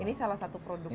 ini salah satu produk utama